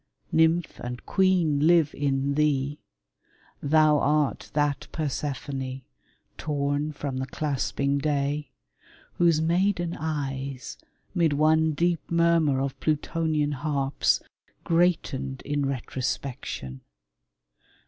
Nymph and queen Live in thee : thou art that Persephone — Torn from the clasping day — whose maiden eyes, *Mid one deep murmur of Plutonian harps, Greatened in retrospection.